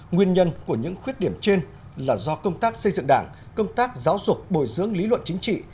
nguyên nhân của những khuyết điểm trên là do công tác xây dựng đảng công tác giáo dục bồi dưỡng lý luận chính trị